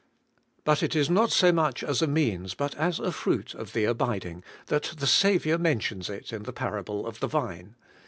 But it is not so much as a means, but as a fruit of the abiding, that the Saviour mentions it in the Par able of the Vine.